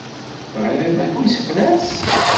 Teɣriḍ akk isefra-s?